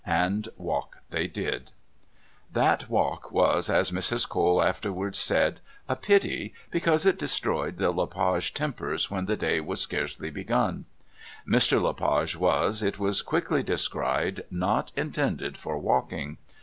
And walk they did. That walk was, as Mrs. Cole afterwards said, "a pity," because it destroyed the Le Page tempers when the day was scarcely begun. Mr. Le Page was, it was quickly descried, not intended for walking.